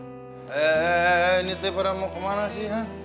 eh eh eh ini t pada mau kemana sih ha